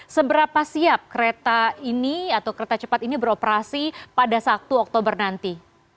seberapa siap kereta ini atau kereta cepat ini beroperasi pada satu oktober nanti